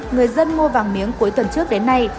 người dân mua vàng miếng cuối tuần trước đến nay